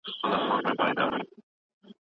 ده د بېځايه زور کارول منع کړل.